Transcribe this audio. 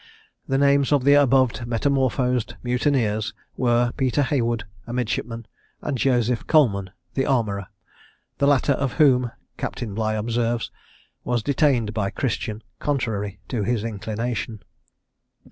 The names of the above metamorphosed mutineers were, Peter Heywood, a midshipman, and Joseph Coleman, the armourer; the latter of whom, Captain Bligh observes, "was detained by Christian contrary to his inclination."